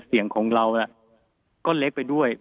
เสียงของเราก็เล็กไปด้วย